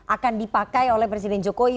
akan dipakai oleh presiden jokowi